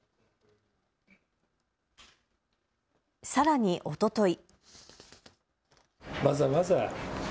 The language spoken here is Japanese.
さらにおととい。